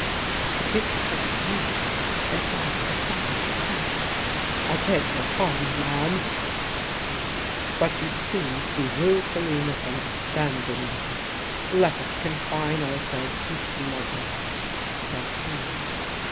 The preacher took a gulp and tried a quieter tack. "I beg your pardon, ma'am," says he, "but you seemed to be wilfully misunderstanding me. Let us confine ourselves to smuggling," says he.